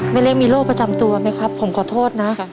เล็กมีโรคประจำตัวไหมครับผมขอโทษนะ